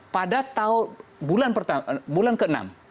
pada bulan ke enam